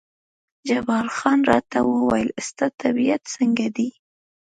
جبار خان راته وویل ستا طبیعت څنګه دی؟